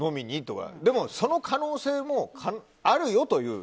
でも、その可能性もあるよという。